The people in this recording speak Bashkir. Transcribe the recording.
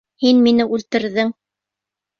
Һин мине үлтерҙең!..